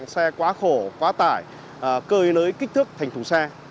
xe quá khổ quá tải cơ lưới kích thước thành thùng xe